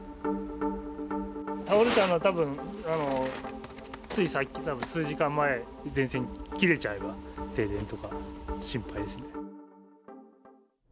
倒れたのはたぶん、ついさっき、数時間前、電線切れちゃえば、停電とか心配ですね。